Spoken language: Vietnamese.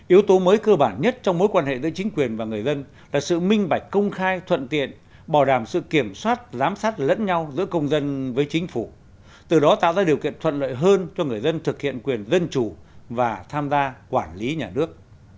yếu tố mới cơ bản nhất trong mối quan hệ giữa chính quyền và người dân là sự minh bạch công khai thuận tiện bảo đảm sự kiểm soát giám sát lẫn nhau giữa công dân với chính phủ từ đó tạo ra điều kiện thuận lợi hơn cho người dân thực hiện quyền dân chủ và tham gia quản lý nhà nước